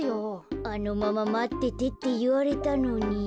あのまままっててっていわれたのに。